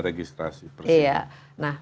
registrasi persis ya nah